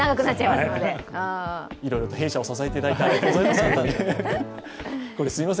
いろいろと弊社を支えていただいてありがとうございます。